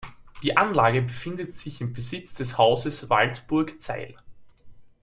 Die Anlage befindet sich im Besitz des Hauses Waldburg-Zeil.